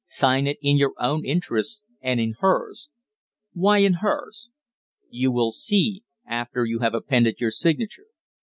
"Sign it in your own interests and in hers." "Why in hers?" "You will see, after you have appended your signature."